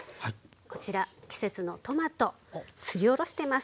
こちら季節のトマトすりおろしてます。